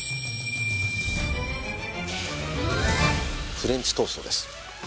フレンチトーストです。